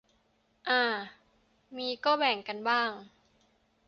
อ่า มีก็แบ่งกันบ้าง